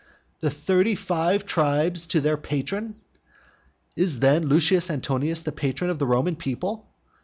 "The thirty five tribes to their patron." Is then Lucius Antonius the patron of the Roman people?